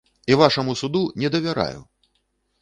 І вашаму суду не давяраю.